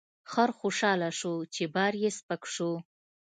خر خوشحاله شو چې بار یې سپک شو.